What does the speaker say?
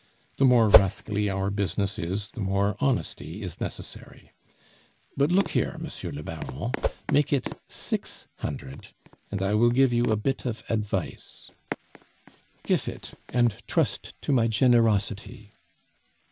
"The more rascally our business is, the more honesty is necessary. But look here, Monsieur le Baron, make it six hundred, and I will give you a bit of advice." "Gif it, and trust to my generosity."